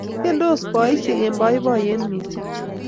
Tiendos boisiek eng boiboiyet missing